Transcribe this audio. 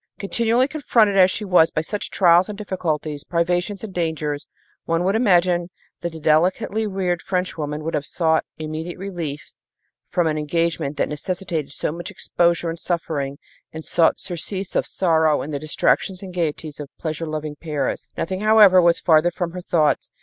Continually confronted, as she was, by such trials and difficulties, privations and dangers, one would imagine that the delicately reared Frenchwoman would have sought immediate release from an engagement that necessitated so much exposure and suffering and sought surcease of sorrow in the distractions and gaieties of pleasure loving Paris. Nothing, however, was farther from her thoughts.